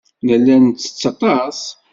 Nella nettett aṭas.